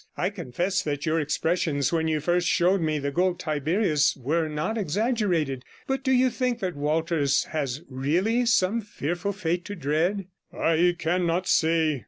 I confess that your expressions when you first showed me the Gold Tiberius were not exaggerated. But do you think that Walters has really some fearful fate to dread?' T cannot say.